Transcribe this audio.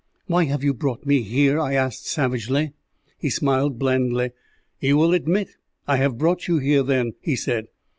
"Why have you brought me here?" I asked savagely. He smiled blandly. "You will admit I have brought you here, then?" he said.